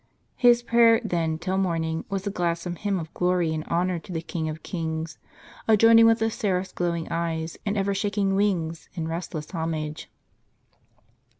His prayer, then, till morning, was a gladsome hymn of glory and honor to the King of kings, a joining with the seraph's glowing eyes, and ever shaking Avings, in restless homage.